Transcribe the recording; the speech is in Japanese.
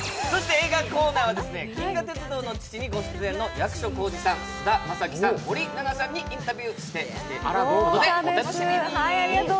映画のコーナーは「銀河鉄道の父」にご出演の役所広司さん、菅田将暉さん、森七菜さんにインタビューしてきてもらいましたのでお楽しみに。